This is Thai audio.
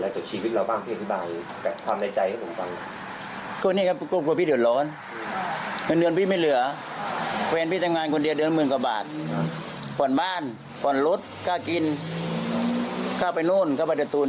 ทุกคนรู้เรื่องนี้กันหมดล่ะ